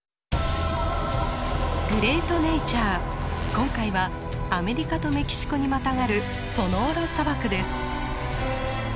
今回はアメリカとメキシコにまたがるソノーラ砂漠です。